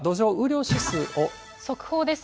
速報です。